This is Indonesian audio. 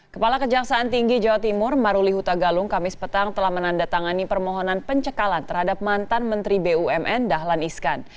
kepala kejaksaan tinggi jawa timur maruli huta galung kamis petang telah menandatangani permohonan pencekalan terhadap mantan menteri bumn dahlan iskan